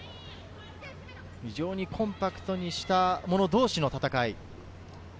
非常にコンパクトにした者同士の戦い。